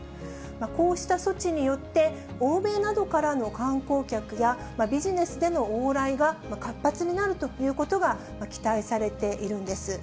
こうした措置によって、欧米などからの観光客や、ビジネスでの往来が活発になるということが期待されているんです。